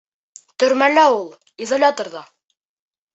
— Төрмәлә ул. Изоляторҙа.